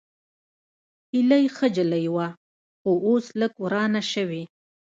هېلۍ ښه نجلۍ وه، خو اوس لږ ورانه شوې